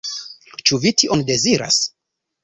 Ĉu vi tion deziras?